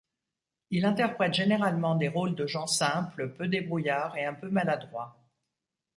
Il interprète généralement des rôles de gens simples, peu débrouillards et un peu maladroits.